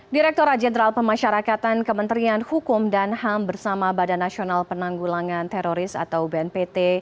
direkturat jenderal pemasyarakatan kementerian hukum dan ham bersama badan nasional penanggulangan teroris atau bnpt